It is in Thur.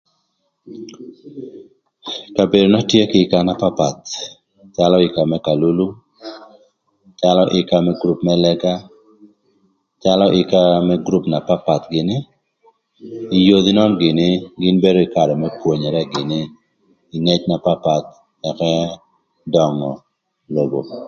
Kabedona tye kï yïka na papath, calö yïka më kalulu, calö yïka më gurup më lëga, calö yïka më gurup na papath gïnï, ï yodhi nön gïnï gïn bedo gïnï kï karë më pwonere gïnï kï ngëc na papath ëka döngö lobo.